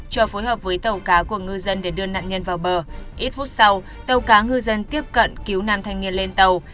cho phối hợp với tàu cá của ngư dân để đưa nạn nhân vào bờ ít phút sau tàu cá ngư dân tiếp cận cứu nam thanh niên lên tàu